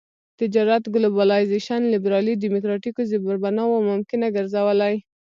تجارت ګلوبلایزېشن لېبرالي ډيموکراټيکو زېربناوو ممکنه ګرځولي.